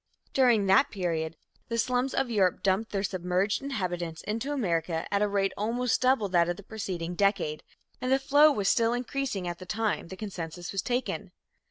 During that period, the slums of Europe dumped their submerged inhabitants into America at a rate almost double that of the preceding decade, and the flow was still increasing at the time the census was taken.